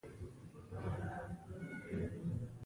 دا کوټه پاکه ده.